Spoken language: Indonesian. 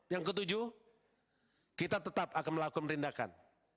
yang ketujuh kita tetap akan melakukan rindakan